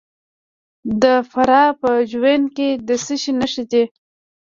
د فراه په جوین کې د څه شي نښې دي؟